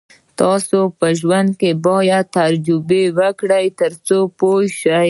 تاسو په ژوند کې باید تجربې وکړئ تر څو پوه شئ.